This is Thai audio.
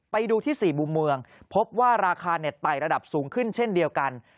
ไปดูที่๔มุมเมืองพบว่าราคาไต่ระดับสูงขึ้นเช่นเดียวกัน